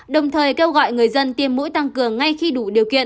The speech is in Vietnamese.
đồng thời kêu gọi người dân tiêm mũi tăng cường ngay khi đủ điều kiện